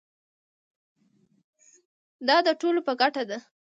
دا د ټولو په ګټه ده.